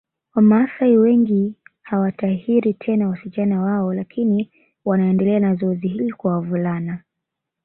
Wamaasai wengi hawatahiri tena wasichana wao lakini wanaendelea na zoezi hili kwa wavulana